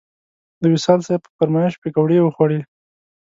د وصال صیب په فرمایش پکوړې وخوړې.